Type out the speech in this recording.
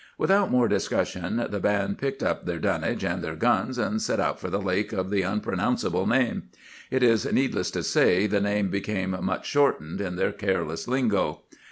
"Without more discussion the band picked up their dunnage and their guns, and set out for the lake of the unpronounceable name. It is needless to say the name became much shortened in their careless lingo.